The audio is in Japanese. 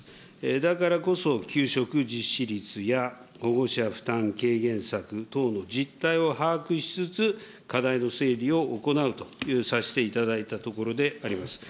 だからこそ給食実施率や、保護者負担軽減策等の実態を把握しつつ、課題の整理を行うというさせていただいたところであります。